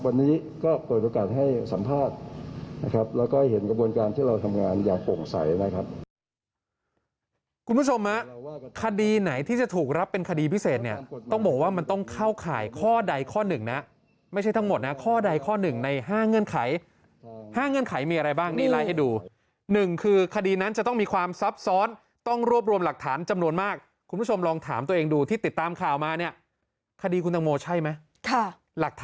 วันนี้ก็เปิดโอกาสให้สัมภาษณ์นะครับแล้วก็เห็นกระบวนการที่เราทำงานอย่างโปร่งใสไว้ครับ